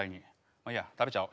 まあいいや食べちゃおう。